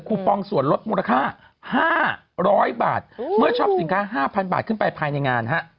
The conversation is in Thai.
ปองส่วนลดมูลค่า๕๐๐บาทเมื่อช็อปสินค้า๕๐๐บาทขึ้นไปภายในงานฮะ